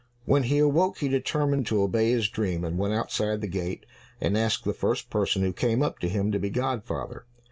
When he awoke, he determined to obey his dream, and went outside the gate, and asked the first person who came up to him to be godfather.